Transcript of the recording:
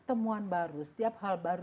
temuan baru setiap hal baru